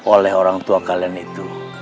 oleh orang tua kalian itu